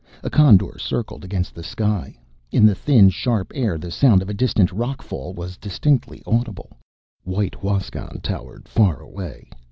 A condor circled against the sky. In the thin, sharp air the sound of a distant rock fall was distinctly audible. White Huascan towered far away.